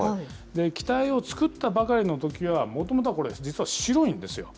機体を造ったばかりのときは、もともとはこれ、実は白いんですよ。